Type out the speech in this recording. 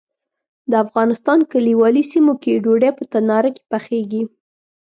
د افغانستان کلیوالي سیمو کې ډوډۍ په تناره کې پخیږي.